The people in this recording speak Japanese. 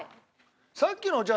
さっきのじゃあ